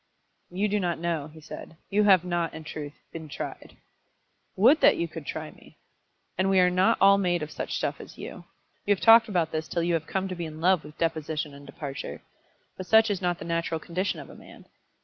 "You do not know," he said. "You have not, in truth, been tried." "Would that you could try me!" "And we are not all made of such stuff as you. You have talked about this till you have come to be in love with deposition and departure. But such is not the natural condition of a man.